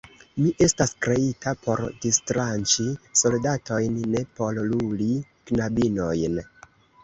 Mi estas kreita por distranĉi soldatojn, ne por luli knabinojn.